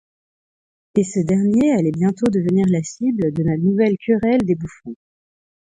Et ce dernier allait bientôt devenir la cible de la nouvelle Querelle des Bouffons.